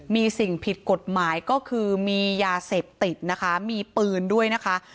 มีสิ่งผิดกฎหมายก็คือมียาเสพติดนะคะมีปืนด้วยนะคะ